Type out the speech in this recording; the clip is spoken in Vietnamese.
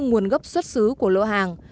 nguồn gốc xuất xứ của lỗ hàng